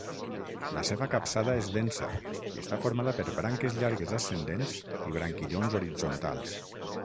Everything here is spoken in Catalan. La seva capçada és densa i està formada per branques llargues ascendents i branquillons horitzontals.